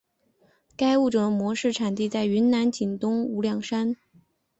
该物种的模式产地在云南景东无量山。